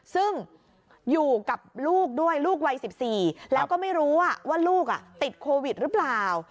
ซึ่งอยู่กับลูกด้วยลูกวัย๑๔แล้วก็ไม่รู้ว่าลูกติดโควิดหรือเปล่า